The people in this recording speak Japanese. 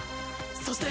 そして。